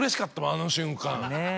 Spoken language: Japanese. あの瞬間。